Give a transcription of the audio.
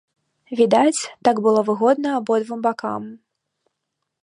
Відаць, так было выгодна абодвум бакам.